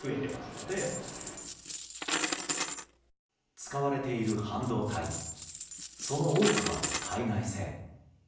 使われている半導体その多くは、海外製。